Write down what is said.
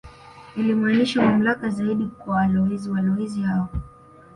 Ilimaanisha mamlaka zaidi kwa walowezi Walowezi hao